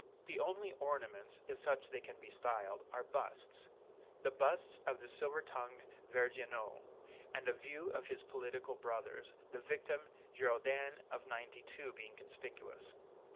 The only ornaments, if such they can be styled, are busts the busts of the silver tongued Vergniaud and a few of his political brothers the victim Girondins of '92 being conspicuous.